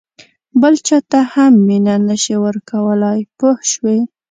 بل چاته هم مینه نه شې ورکولای پوه شوې!.